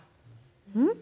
うん？